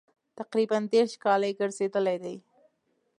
تقریبا دېرش کاله یې ګرځېدلي دي.